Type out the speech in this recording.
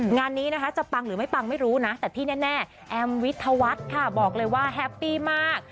งานนี้นะคะจะปังหรือไม่ปังไม่รู้นะแต่ที่แน่แอมวิทยาวัฒน์ค่ะบอกเลยว่าแฮปปี้มาก